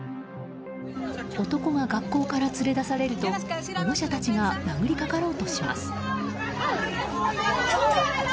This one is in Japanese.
男が学校から連れ出されると保護者たちが殴りかかろうとします。